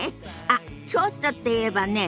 あっ京都っていえばね